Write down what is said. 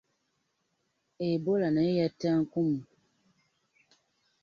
Ebbola naye yatta nkumu.